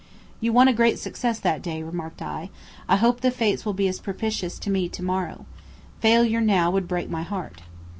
"You won a great success that day," remarked I. "I hope the fates will be as propitious to me to morrow. Failure now would break my heart."